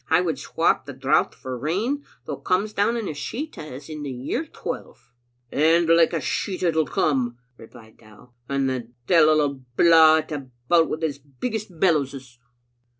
" I would swap the drought for rain, though it comes down in a sheet as in the year twelve." "And like a sheet it'll come," replied Dow, "and the deini blaw it about wi' his biggest bellowses."